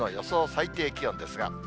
最低気温ですが。